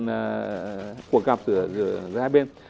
đấy là cuộc gặp giữa hai bên